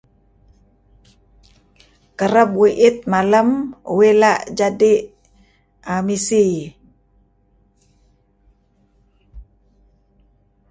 Kereb uih i'it malem uih la' jadi' err misi.